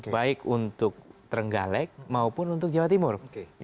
baik untuk trenggalek maupun untuk jawa timur